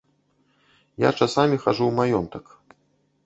Я часамі хаджу ў маёнтак.